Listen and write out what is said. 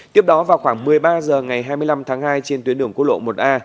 tiếp đó vào khoảng một mươi ba h ngày hai mươi năm tháng hai trên tuyến đường quốc lộ một a